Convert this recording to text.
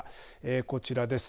こちらです。